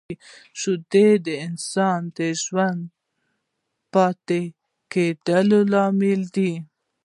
شیدې د انسان د ژوندي پاتې کېدو لامل دي